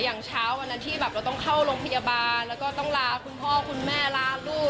อย่างเช้าวันนั้นที่แบบเราต้องเข้าโรงพยาบาลแล้วก็ต้องลาคุณพ่อคุณแม่ลาลูก